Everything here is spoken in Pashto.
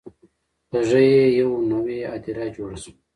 په زړه یې یوه نوي هدیره جوړه شوه